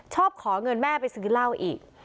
ขอเงินแม่ไปซื้อเหล้าอีก